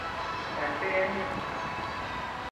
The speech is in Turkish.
Ben beğendim.